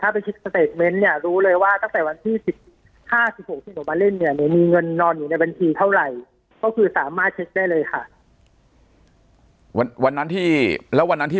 ปากกับภาคภูมิ